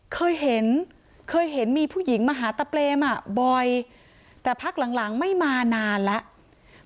เคยเห็นมีผู้หญิงมาหาตะเปรมบ่อยแต่พักหลังไม่มานานแล้ว